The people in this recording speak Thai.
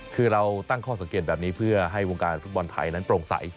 คือเราตั้งข้อสังเกตแบบนี้เพื่อให้วงการฟุตบอลไทยนั้นโปร่งใส